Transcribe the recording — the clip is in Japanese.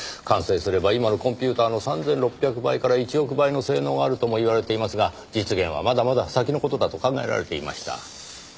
完成すれば今のコンピューターの３６００倍から１億倍の性能があるともいわれていますが実現はまだまだ先の事だと考えられていました。